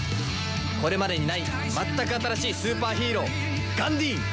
これまでにない全く新しいスーパーヒーローガンディーン！